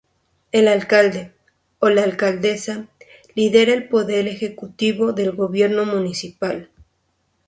El alcalde, o la alcaldesa, lidera el poder ejecutivo del gobierno municipal.